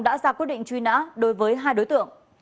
đã ra quyết định truy nã đối với hai đối tượng